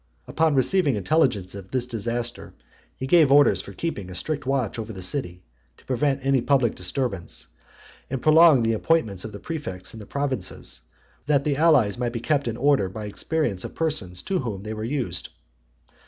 Upon receiving intelligence of this disaster, he gave orders for keeping a strict watch over the city, to prevent any public disturbance, and prolonged the appointments of the prefects in the provinces, that the allies might be kept in order by experience of persons to whom they were used.